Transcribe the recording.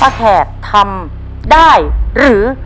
ป้าแขดทำได้หรือ